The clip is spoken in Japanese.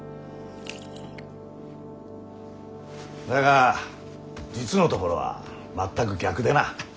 だが実のところは全く逆でな。